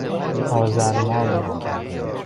آذرمان